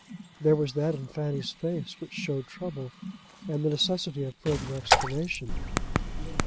There was that in Fanny's face which showed trouble and the necessity of further explanation.